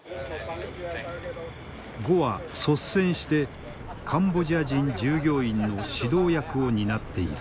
呉は率先してカンボジア人従業員の指導役を担っている。